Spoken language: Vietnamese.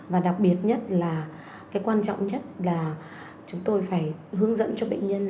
và đặc biệt nhất là cái quan trọng nhất là chúng tôi phải hướng dẫn cho bệnh nhân